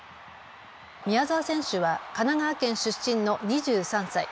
宮澤選手は神奈川県出身の２３歳。